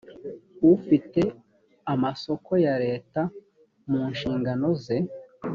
ufite amasoko ya leta mu nshingano ze